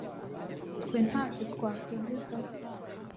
twe nta cyo twakwigezaho